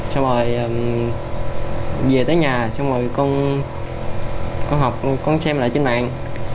xong rồi về tới nhà xong rồi con con học con xem lại trên mạng